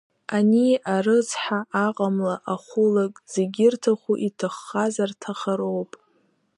Ани арыцҳа, аҟамла, ахәылак, зегь ирҭаху иҭаххазар ҭахароуп.